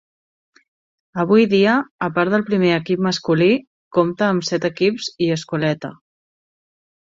Avui dia, a part del primer equip masculí, compta amb set equips i escoleta.